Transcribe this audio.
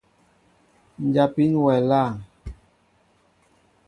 Njapin wɛ aláaŋ.